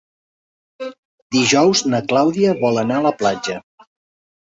Dijous na Clàudia vol anar a la platja.